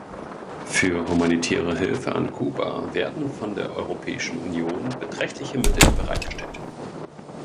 Für humanitäre Hilfe an Kuba werden von der Europäischen Union beträchtliche Mittel bereitgestellt.